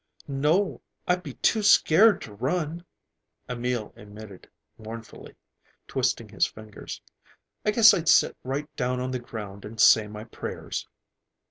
"No, I'd be too scared to run," Emil admitted mournfully, twisting his fingers. "I guess I'd sit right down on the ground and say my prayers."